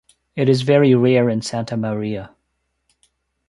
It is very rare in Santa Maria.